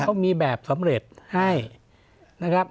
เขามีแบบสำเร็จให้นะครับ